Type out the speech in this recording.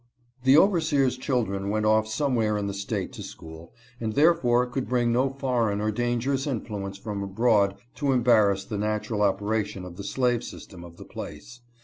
The overseer's children went off some where in the State to school, and therefore could bring no foreign or dangerous influence from abroad to embar rass the natural operation of the slave" system of the place.